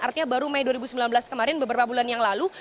artinya baru mei dua ribu sembilan belas kemarin beberapa bulan yang lalu